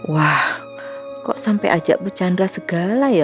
wah kok sampai ajak bu chandra segala ya